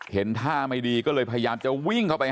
เห็นท่าไม่ดีก็เลยพยายามจะวิ่งเข้าไป